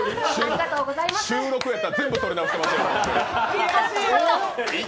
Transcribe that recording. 収録やったら、全部、録り直してる。